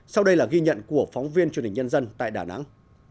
sau đây là ghi nhận của phóng viên truyền hình nhân dân tại đà nẵng